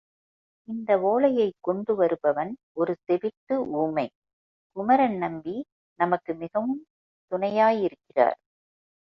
இந்த ஒலையைக் கொண்டு வருபவன் ஒரு செவிட்டு ஊமை, குமரன் நம்பி நமக்கு மிகவும் துணையாயிருக்கிறார்.